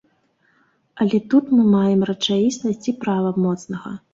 Але тут мы маем рэчаіснасць і права моцнага.